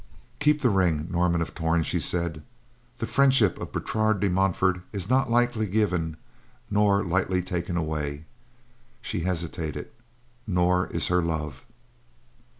"Keep the ring, Norman of Torn," she said. "The friendship of Bertrade de Montfort is not lightly given nor lightly taken away," she hesitated, "nor is her love."